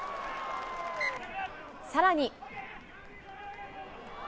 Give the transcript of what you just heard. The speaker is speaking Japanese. さらに。